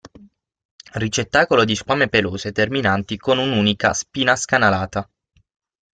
Ricettacolo di squame pelose terminanti con un'unica spina scanalata.